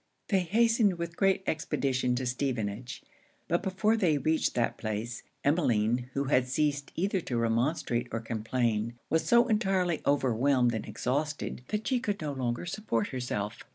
They hastened with great expedition to Stevenage; but before they reached that place, Emmeline, who had ceased either to remonstrate or complain, was so entirely overwhelmed and exhausted, that she could no longer support herself.